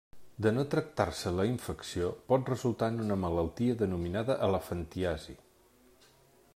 De no tractar-se la infecció, pot resultar en una malaltia denominada elefantiasi.